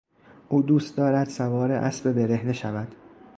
او دوست دارد سوار اسب برهنه شود.